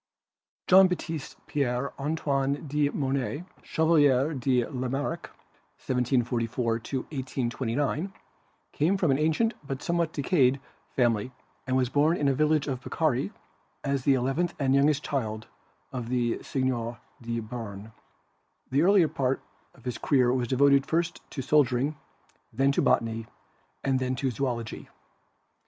Jean Baptiste Pierre Antoine de Monet, Chevalier de Lamarck (1744 1829), came of an ancient but somewhat decayed family and was born in a village of Picardy as the eleventh and youngest child of the Seigneur de Beam. The earlier part of his career was devoted first to soldier ing, then to Botany and then to Zoology.